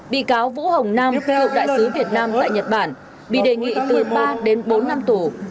bị cáo vũ hồng nam cựu đại sứ việt nam tại nhật bản bị đề nghị từ ba đến bốn năm tù